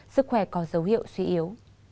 sức khỏe có dấu hiệu suy yếu